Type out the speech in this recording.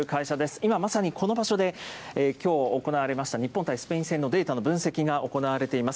今、まさにこの場所で、きょう行われました日本対スペイン戦のデータの分析が行われています。